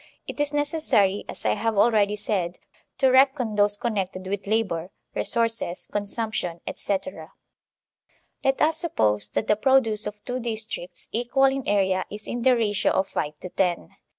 It is necessary, as I have already said, to reckon those connected with labor, resources, consumption, etc. Let us suppose that the produce of two districts equal in area is in the ratio of five to ten.